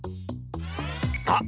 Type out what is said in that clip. あっ！